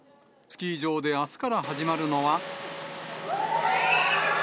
スキー場であすから始まるのは。